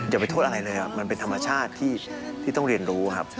อย่าไปโทษอะไรเลยครับมันเป็นธรรมชาติที่ต้องเรียนรู้ครับ